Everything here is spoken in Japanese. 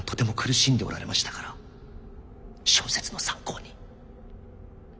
小説の参考に。